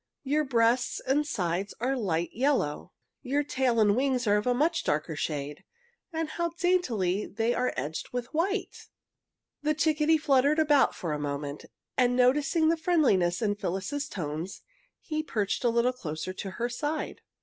Your breasts and sides are light yellow. Your tail and wings are of a much darker shade, and how daintily they are edged with white!" The chickadee fluttered about for a moment, and noticing the friendliness in Phyllis's tones he perched a little closer to her side.